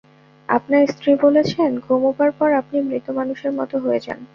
আপনার স্ত্রী বলেছেন, ঘুমুবার পর আপনি মৃত মানুষের মতো হয়ে যান।